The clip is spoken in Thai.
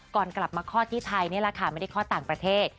ก่อนกลับมาคลอดที่ไทยนี่แหละค่ะไม่ได้คลอดต่างประเทศ